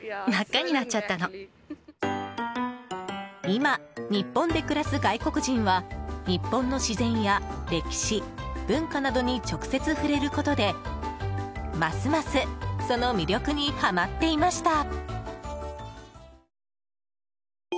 今、日本で暮らす外国人は日本の自然や歴史、文化などに直接触れることで、ますますその魅力にはまっていました。